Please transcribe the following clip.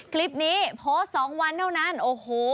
คลิปนี้โพสต์๒วันเท่านั้นโอ้โห